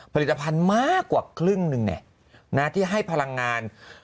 ผลิตภัณฑ์มากกว่าครึ่งหนึ่งที่ให้พลังงาน